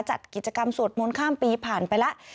จัดกิจกรรมสวดมนต์ข้ามปีผ่านไปแล้ว